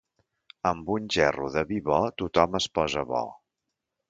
Amb un gerro de vi bo, tothom es posa bo.